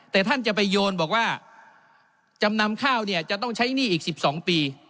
แต่ท่านจะไปโยนบอกว่าจำนำข้าวเนี่ยจะต้องใช้หนี้อีก๑๒ปี